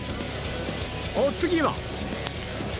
お次は。